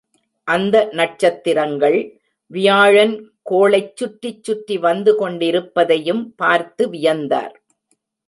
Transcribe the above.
அந்த நட்சத்திரங்கள், வியாழன் கோளைச் சற்றிச் சுற்றி வந்து கொண்டிருப்பதையும் பார்த்து வியந்தார்.